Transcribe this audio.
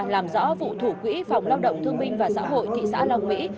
làm rõ vụ thủ quỹ phòng lao động thương minh và xã hội thị xã long mỹ